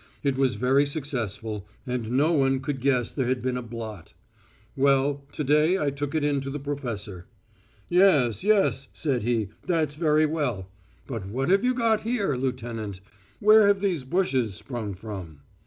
It was very successful, and no one could guess there had been a blot. Well, to day I took it in to the professor. 'Yes, yes,' said he, 'that's very well. But what have you got here, lieutenant; where have these bushes sprung from?'